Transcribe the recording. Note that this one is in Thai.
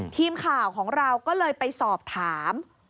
ทีมข่าวของเราก็เลยไปสอบถาม